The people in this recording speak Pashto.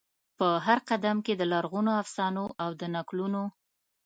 په هرقدم کې د لرغونو افسانو او د نکلونو،